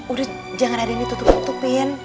udah jangan ada yang ditutup tutupin